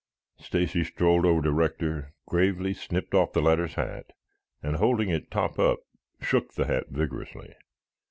Stacy strolled over to Rector, gravely snipped off the latter's hat and holding it top up shook the hat vigorously.